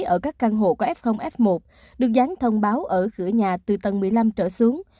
ở các căn hộ có f f một được gián thông báo ở cửa nhà từ tầng một mươi năm trở xuống